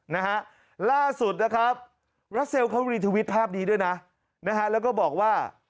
นะฮะล่าสุดนะครับรัสเซลเขารีทวิตภาพนี้ด้วยนะนะฮะแล้วก็บอกว่า